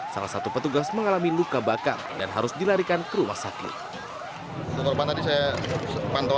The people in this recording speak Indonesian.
salah satu petugas mengalami luka bakar dan harus dilarikan ke rumah sakit